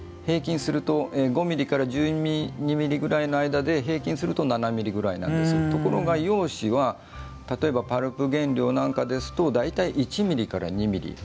５ｍｍから１２ｍｍぐらいの間で平均すると７ｍｍぐらいなんですがところが洋紙は例えばパルプ原料なんかですと大体、１ｍｍから２ｍｍ。